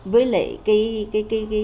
với lại cái